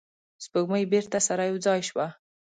سپوږمۍ بیرته سره یو ځای شوه.